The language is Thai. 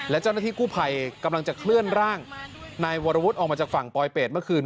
และเจ้าหน้าที่กู้ภัยกำลังจะเคลื่อนร่างนายวรวุฒิออกมาจากฝั่งปลอยเป็ดเมื่อคืน